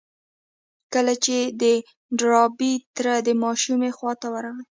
کله چې د ډاربي تره د ماشومې خواته ورغی.